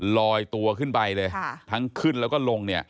ลอยตัวขึ้นไปเลยทั้งขึ้นแล้วก็ลงเนี่ย